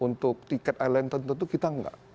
untuk tiket island tentu tentu kita enggak